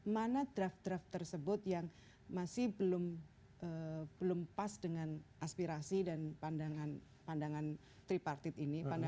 mana draft draft tersebut yang masih belum pas dengan aspirasi dan pandangan tripartit ini